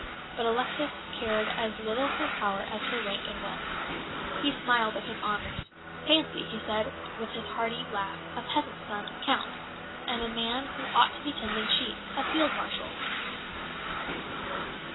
But Alexis cared as little for power as for rank and wealth. He smiled at his honours. "Fancy," he said, with his hearty laugh, "a peasant's son, a Count; and a man who ought to be tending sheep, a Field Marshal!"